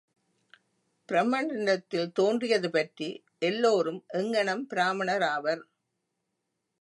பிரமனிடத்துத் தோன்றியது பற்றி எல்லோரும் எங்ஙனம் பிராமணராவர்?